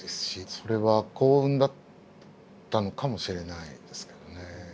それは幸運だったのかもしれないですけどね。